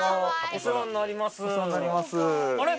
お世話になりますあれ？